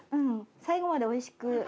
最後まで美味しく。